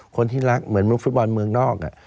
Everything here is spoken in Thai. คนที่รักเหมือนลูกฟุตบอลเมืองนอก